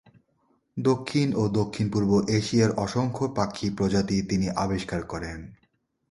দক্ষিণ ও দক্ষিণ-পূর্ব এশিয়ার অসংখ্য পাখি প্রজাতি তিনি আবিষ্কার করেন।